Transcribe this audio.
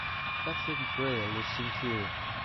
Patrick Breyer lives in Kiel.